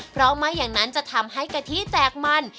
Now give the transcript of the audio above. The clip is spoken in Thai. เพราะไม่อย่างนั้นจะทำให้กะทิแตกมัน